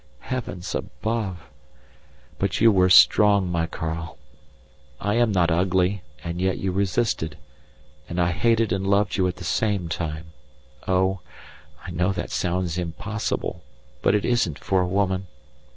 Heavens above! but you were strong, my Karl. I am not ugly, and yet you resisted, and I hated and loved you at the same time oh! I know that sounds impossible, but it isn't for a woman.